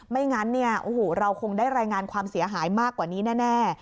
ไม่งั้นเราคงได้รายงานความเสียหายมากกว่านี้แน่